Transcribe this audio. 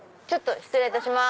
失礼いたします。